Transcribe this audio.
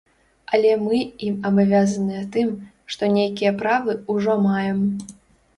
Але мы ім абавязаныя тым, што нейкія правы ўжо маем.